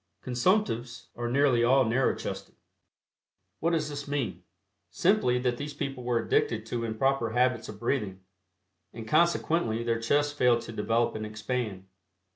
Consumptives are nearly all narrow chested. What does this mean? Simply that these people were addicted to improper habits of breathing, and consequently their chests failed to develop and expand.